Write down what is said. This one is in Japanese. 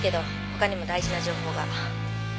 他にも大事な情報が。